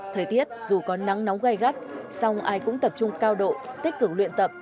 thời tiết dù có nắng nóng gai gắt song ai cũng tập trung cao độ tích cực luyện tập